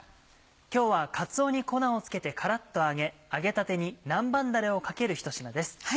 今日はかつおに粉をつけてカラっと揚げ揚げたてに南蛮だれをかけるひと品です。